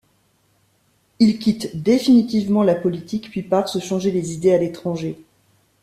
Il quitte définitivement la politique puis part se changer les idées à l'étranger.